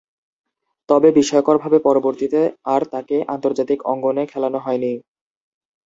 তবে, বিস্ময়করভাবে পরবর্তীতে আর তাকে আন্তর্জাতিক অঙ্গনে খেলানো হয়নি।